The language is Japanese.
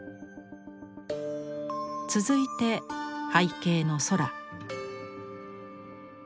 続いて背景の空。